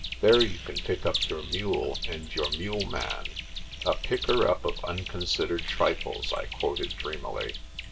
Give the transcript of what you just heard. There you can pick up your mule and your mule man." "' A picker up of unconsidered trifles,' " I quoted dreamily.